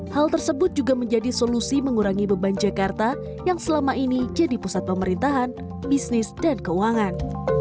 hal tersebut juga menjadi solusi mengurangi beban jakarta yang selama ini jadi pusat pemerintahan bisnis dan keuangan